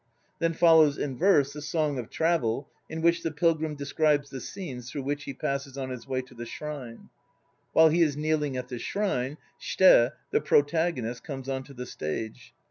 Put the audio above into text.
Then follows (in verse) the "Song of Travel" in which the Pilgrim describes the scenes through which he passes on his way to the shrine. While he is kneeling at the shrine, Shite (the Protagonist) comes on to the stage.